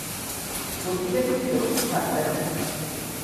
পত্রিকাটি ছিল সাপ্তাহিক।